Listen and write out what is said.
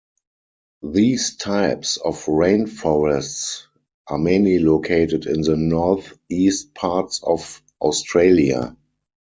These types of rainforests are mainly located in the north-east parts of Australia.